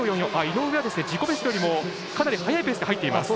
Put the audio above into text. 井上は自己ベストよりもかなり速いペースで入っています。